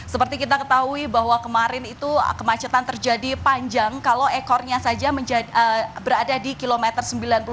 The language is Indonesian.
seperti kita ketahui bahwa kemarin itu kemacetan terjadi panjang kalau ekornya saja berada di kilometer sembilan puluh delapan